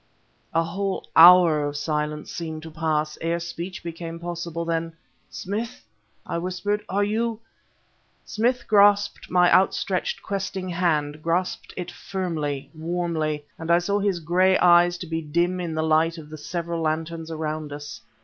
_ A whole hour of silence seemed to pass, ere speech became possible; then "Smith!" I whispered, "are you ..." Smith grasped my outstretched, questing hand, grasped it firmly, warmly; and I saw his gray eyes to be dim in the light of the several lanterns around us.